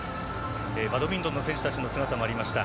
バドミントンの選手の姿もありました。